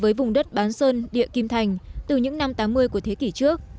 với vùng đất bán sơn địa kim thành từ những năm tám mươi của thế kỷ trước